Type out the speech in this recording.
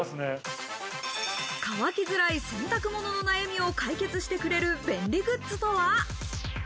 乾きづらい洗濯物の悩みを解決してくれる便利グッズとは？